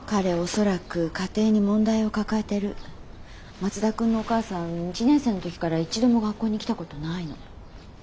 松田君のお母さん１年生の時から一度も学校に来たことないの。